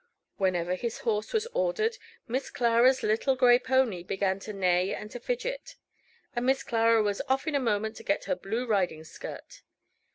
Whenever his horse was ordered, Miss Clara's little grey pony began to neigh and to fidget, and Miss Clara was off in a moment to get her blue riding skirt.